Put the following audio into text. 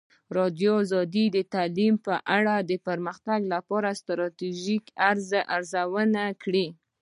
ازادي راډیو د تعلیم په اړه د پرمختګ لپاره د ستراتیژۍ ارزونه کړې.